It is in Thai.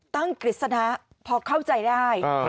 กฤษณะพอเข้าใจได้